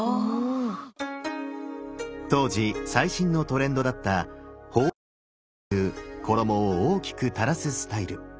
当時最新のトレンドだった「法衣垂下」という衣を大きく垂らすスタイル。